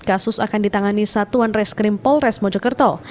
kasus akan ditangani satuan reskrim polres mojokerto